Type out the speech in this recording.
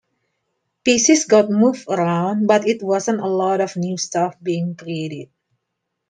Pieces got moved around, but it wasn't a lot of new stuff being created.